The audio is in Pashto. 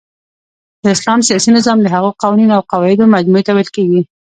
د اسلام سیاسی نظام د هغو قوانینو اوقواعدو مجموعی ته ویل کیږی